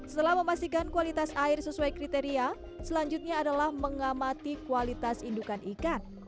setelah memastikan kualitas air sesuai kriteria selanjutnya adalah mengamati kualitas indukan ikan